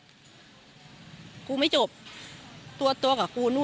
คุณพี่พี่ที่ไม่จบเค้ากลับรถนะ